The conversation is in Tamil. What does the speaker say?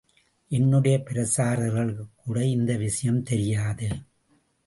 என்னுடைய பிரசாரகர்களுக்குக்கூட இந்த விஷயம் தெரியாது.